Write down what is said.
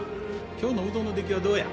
今日のうどんの出来はどうや？